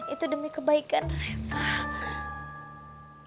itu demi kebaikan reva